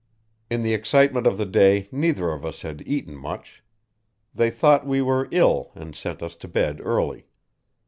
In the excitement of the day neither of us had eaten much. They thought we were ill and sent us to bed early.